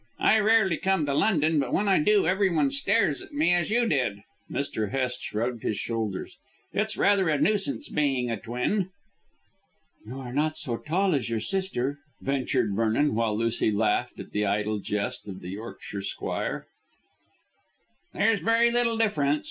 I rarely come to London, but when I do everyone stares at me, as you did." Mr. Hest shrugged his shoulders. "It's rather a nuisance being a twin." "You are not so tall as your sister," ventured Vernon, while Lucy laughed at the idle jest of the Yorkshire squire. "There's very little difference.